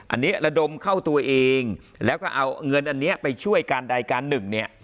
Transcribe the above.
อันนี้ระดมเข้าตัวเองแล้วก็เอาเงินอันนี้ไปช่วยการใดการหนึ่งเนี่ย